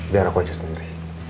biar aku aja sendiri